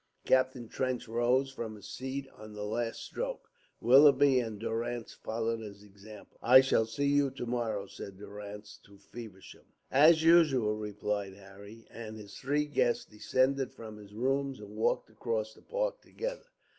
Captain Trench rose from his seat on the last stroke; Willoughby and Durrance followed his example. "I shall see you to morrow," said Durrance to Feversham. "As usual," replied Harry; and his three guests descended from his rooms and walked across the Park together.